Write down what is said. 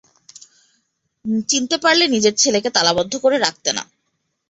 চিনতে পারলে নিজের ছেলেকে তালাবদ্ধ করে রাখতে না।